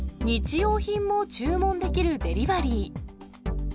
日用品も注文できるデリバリー。